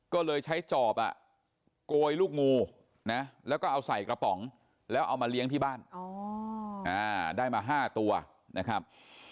ก็เลยใช้จอบโกยลูกงูนะแล้วก็เอาใส่กระป๋องแล้วเอามาเลี้ยงที่บ้านได้มา๕ตัวนะครับ